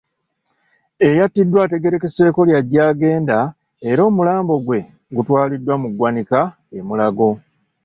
Eyattiddwa ategeerekeseeko lya Gyagenda era omulambo gwe gutwaliddwa mu ggwanika e Mulago.